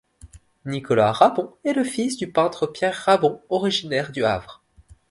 Nicolas Rabon est le fils du peintre Pierre Rabon originaire du Havre.